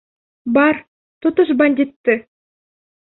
Бар, тотош бандитты!